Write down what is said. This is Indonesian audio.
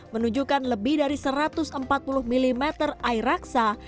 menunjukkan lebih dari satu ratus empat puluh mm air aksa